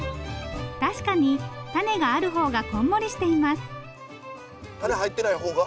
確かに種があるほうがこんもりしてます。